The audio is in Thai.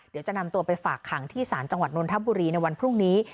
เดี๋ยวจะนำตัวไปฝากขังที่ศาลจังหวัดนนทบุรีในวันพรุ่งนี้